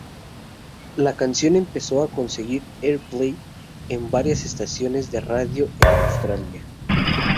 La canción empezó a conseguir airplay en varias estaciones de radio en Australia.